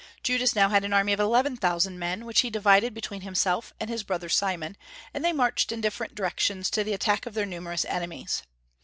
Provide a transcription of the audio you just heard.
Judas had now an army of eleven thousand men, which he divided between himself and his brother Simon, and they marched in different directions to the attack of their numerous enemies.